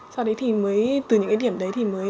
sau đấy thì mới từ những cái điểm đấy thì mới